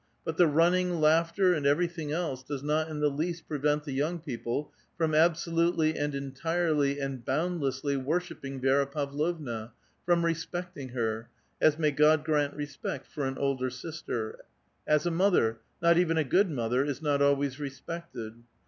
But the running, laughter, and every thing else does not in the least prevent the young people from absolutely and entirely and boundlessly woishipping Vi6ra Pavlovna, from respecting her — as may God grant respect for an older sister !— as a mother, not even a good mother, is not always respected.